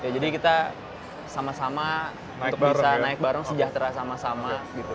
jadi kita sama sama untuk bisa naik bareng sejahtera sama sama